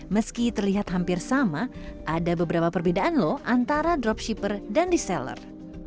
meski terlihat hampir sama ada beberapa perbedaan loh antara dropshipper dan reseller